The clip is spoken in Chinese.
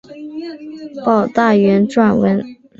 保大元年撰文。